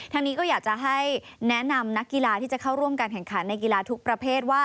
ทางนี้ก็อยากจะให้แนะนำนักกีฬาที่จะเข้าร่วมการแข่งขันในกีฬาทุกประเภทว่า